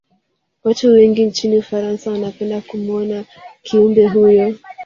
Watu wengi nchini ufarasa wanapenda kumuona Kiumbe huyo